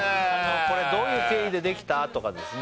これどういう経緯でできたとかですね